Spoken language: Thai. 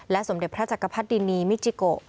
สมเด็จพระจักรพรรดินีมิจิโก